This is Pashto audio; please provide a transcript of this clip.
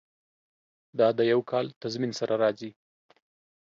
دا د یو کال تضمین سره راځي.